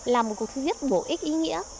là một cuộc thi viết bổ ích ý nghĩa